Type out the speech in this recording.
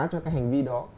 cho cái hành vi đó